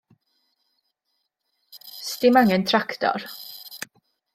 'S dim angen tractor.